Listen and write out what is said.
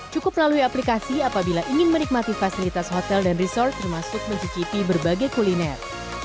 cukup melalui aplikasi apabila ingin menikmati fasilitas hotel dan resort termasuk mencicipi berbagai kuliner